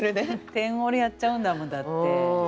「点俺」やっちゃうんだもんだって。